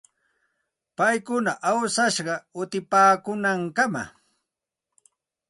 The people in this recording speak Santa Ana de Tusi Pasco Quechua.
Paykuna awsashqa utipaakuunankamam.